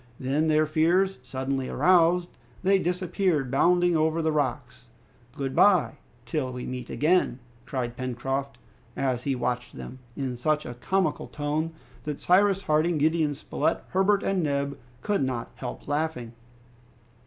Then their fears suddenly aroused, they disappeared, bounding over the rocks. "Good bye, till we meet again," cried Pencroft, as he watched them, in such a comical tone that Cyrus Harding, Gideon Spilett, Herbert, and Neb could not help laughing.